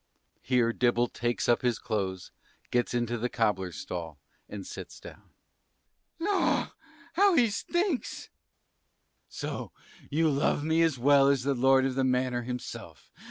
(Here Dibble takes up his clothes, gets into the cobbler's stall, and sits down.) Sir B. Pshaw! how he stinks. (aside.) Cris. So you love me as well as the lord of the manor himself?